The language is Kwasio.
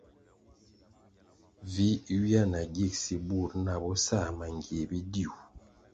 Vi ywia na gigsi bur nah bo sa mangie bidiu.